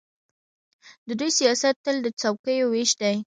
د دوی سیاست تل د څوکۍو وېش دی.